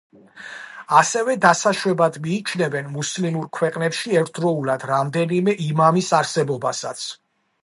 ასევე დასაშვებად მიიჩნევენ მუსლიმურ ქვეყანაში ერთდროულად რამდენიმე იმამის არსებობასაც.